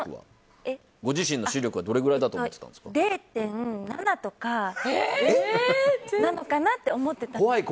ご自身の視力はどれぐらいだと思ってたんですか。